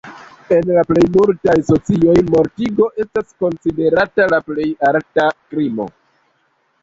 En la plejmultaj socioj mortigo estas konsiderata la plej alta krimo.